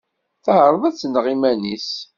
Teɛreḍ ad tneɣ iman-is.